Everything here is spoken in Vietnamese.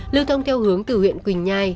lưu thông theo hướng từ huyện quỳnh nhai